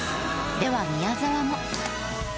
では宮沢も。